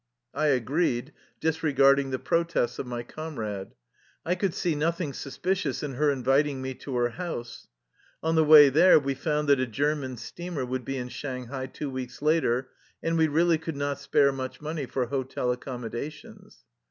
I agreed, disregarding the protests of my com rade. I could see nothing suspicious in her in viting me to her house. On the way there we found that a German steamer would be in Shanghai two weeks later, and we really could not spare much money for hotel accommoda tions.